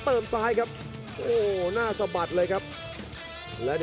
โอ้โห